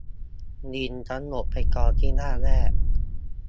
ลิงก์ทั้งหมดไปกองที่หน้าแรก